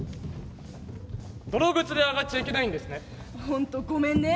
泥靴で上がっちゃいけないんですね。